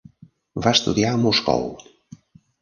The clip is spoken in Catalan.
Va estudiar a Moscou.